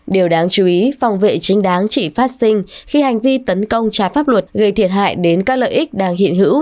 điều đáng chú ý phòng vệ chính đáng chỉ phát sinh khi hành vi tấn công trái pháp luật gây thiệt hại đến các lợi ích đang hiện hữu